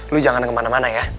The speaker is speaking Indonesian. lu jangan kemana mana ya